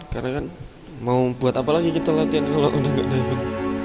karena kan mau buat apa lagi kita latihan kalau udah nggak jalan